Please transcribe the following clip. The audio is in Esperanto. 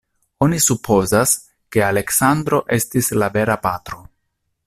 Oni supozas, ke Aleksandro estis la vera patro.